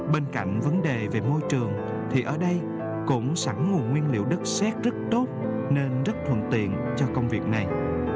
bên cạnh vấn đề về môi trường thì ở đây cũng sẵn nguồn nguyên liệu đất xét rất tốt nên rất thuận tiện cho công việc này